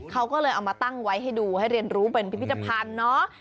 เขาก็เลยเอามาตั้งไว้ให้ดูให้เรียนรู้เป็นพิพิธภัณฑ์เนาะ